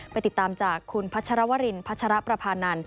ไปติดตามจากคุณพัชรวรินพัชรประพานันท